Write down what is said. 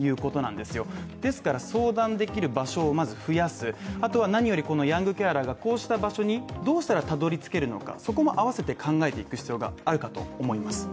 ですから、相談できる場所を、まず増やすあとは何よりヤングケアラーがこうした場所にどうしたらたどりつけるのか、そこも併せて考えていく必要があると思います。